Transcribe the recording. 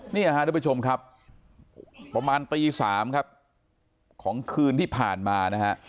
นี่ฮะทุกผู้ชมครับประมาณตี๓ครับของคืนที่ผ่านมานะฮะ